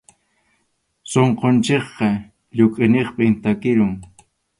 Sunqunchikqa lluqʼiniqpim tarikun.